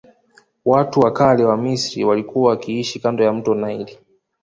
Watu wa kale wa misri walikua wakiishi kando ya mto naili